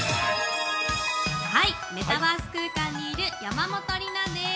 メタバース空間にいる山本里菜です。